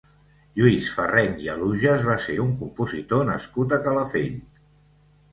Lluís Farreny i Alujas va ser un compositor nascut a Calafell.